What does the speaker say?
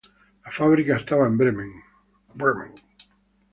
La fábrica estaba en Bremen.